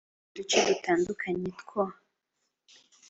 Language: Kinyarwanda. mu duce dutandukanye two